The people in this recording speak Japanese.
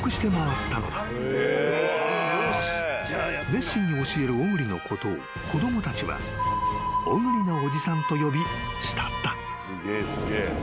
［熱心に教える小栗のことを子供たちは小栗のおじさんと呼び慕った］